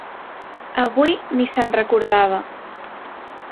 Avui ni se'n recordava.